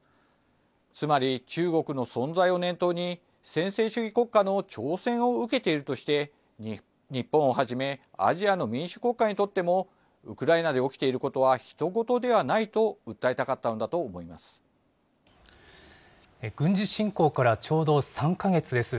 つまり中国の存在を念頭に、専制主義国家の挑戦を受けているとして、日本をはじめアジアの民主国家にとっても、ウクライナで起きていることは人ごとではないと訴えたかったのだ軍事侵攻からちょうど３か月です。